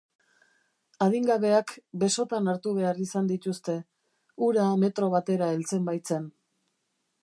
Adingabeak besotan hartu behar izan dituzte, ura metro batera heltzen baitzen.